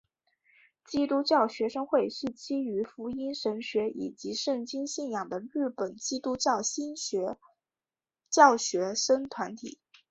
基督教徒学生会是基于福音神学以及圣经信仰的日本基督新教学生团体。